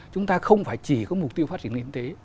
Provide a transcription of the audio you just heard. chúng ta không phải chỉ có mục tiêu phát triển kinh tế